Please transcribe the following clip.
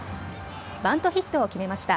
バントヒットを決めました。